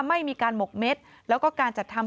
ไม่มีการหมกเม็ดแล้วก็การจัดทำ